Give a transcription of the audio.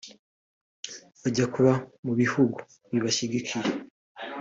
bajya kuba mu bihugu bibashyigikiye